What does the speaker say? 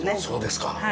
そうですか。